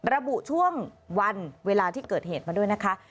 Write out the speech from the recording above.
ระบุช่วงวันเวลาที่เกิดเหตุมาด้วยนะคะ